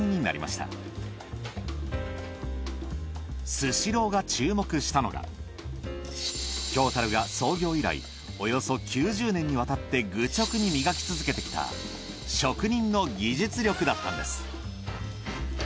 スシローが注目したのが京樽が創業以来およそ９０年にわたって愚直に磨き続けてきた職人の技術力だったんです。